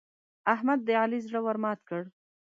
احمد د علي زړه ور مات کړ.